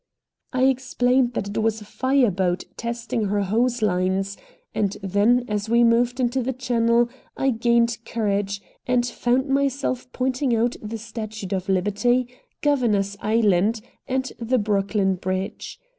I explained that it was a fire boat testing her hose lines, and then as we moved into the channel I gained courage, and found myself pointing out the Statue of Liberty, Governors Island, and the Brooklyn Bridge.